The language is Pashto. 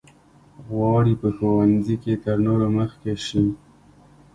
غواړي په ښوونځي کې تر نورو مخکې شي.